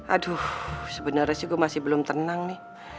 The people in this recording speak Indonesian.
aduh sebenarnya sih gue masih belum tenang nih